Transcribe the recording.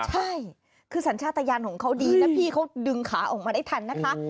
ใช่คือสัญชาติยานของเขาดีนะพี่เขาดึงขาออกมาได้ทันนะคะ